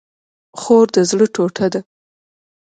خور د زړه ټوټه ده